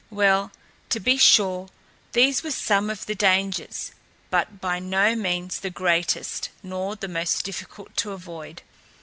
Well, to be sure, these were some of the dangers, but by no means the greatest nor the most difficult to avoid.